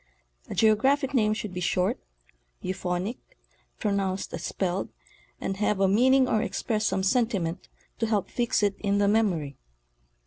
A geo graphic name should be short, euphonic, pronounced as spelled, and have a meaning or express some sentiment to help fix it in the memory.